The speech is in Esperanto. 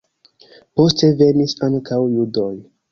Poste venis ankaŭ judoj.